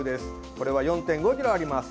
これは４．５ｋｇあります。